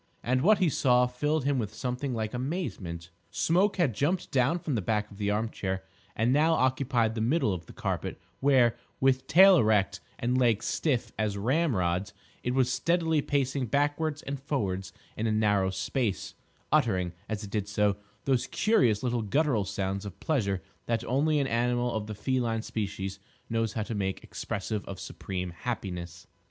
And what he saw filled him with something like amazement. Smoke had jumped down from the back of the arm chair and now occupied the middle of the carpet, where, with tail erect and legs stiff as ramrods, it was steadily pacing backwards and forwards in a narrow space, uttering, as it did so, those curious little guttural sounds of pleasure that only an animal of the feline species knows how to make expressive of supreme happiness.